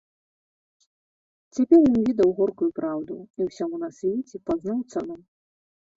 Цяпер ён ведаў горкую праўду і ўсяму на свеце пазнаў цану.